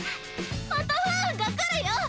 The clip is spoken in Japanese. また不運がくるよ。